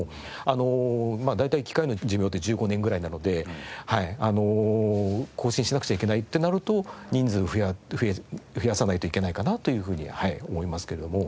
あのまあ大体機械の寿命って１５年ぐらいなので更新しなくちゃいけないってなると人数増やさないといけないかなというふうに思いますけれども。